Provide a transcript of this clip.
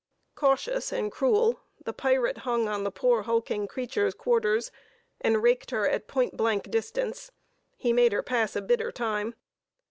Cautious and cruel, the pirate hung on the poor hulking creature's quarters and raked her at point blank distance. He made her pass a bitter time.